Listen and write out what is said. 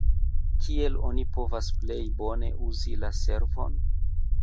Kiel oni povas plej bone uzi la servon?